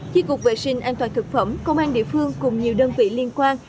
khi cục vệ sinh an toàn thực phẩm công an địa phương cùng nhiều đơn vị liên quan